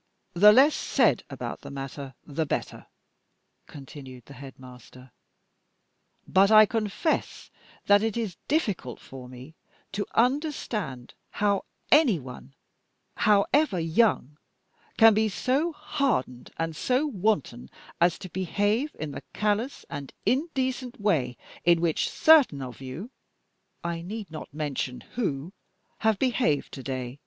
... "The less said about the matter the better," continued the headmaster, "but I confess that it is difficult for me to understand how any one, however young, can be so hardened and so wanton as to behave in the callous and indecent way in which certain of you I need not mention who have behaved to day.